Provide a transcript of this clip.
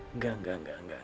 enggak enggak enggak